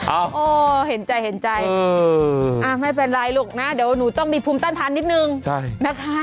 โอ้เห็นใจเห็นใจไม่เป็นไรลูกนะเดี๋ยวหนูต้องมีภูมิต้านทานนิดนึงนะคะ